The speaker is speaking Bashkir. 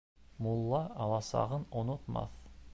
Мулла аласағын онотмаҫ.